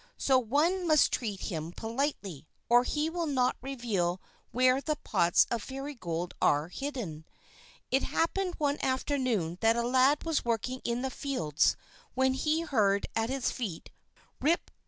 So one must treat him politely, or he will not reveal where the pots of Fairy Gold are hidden. It happened one afternoon that a lad was working in the fields when he heard at his feet, "Rip!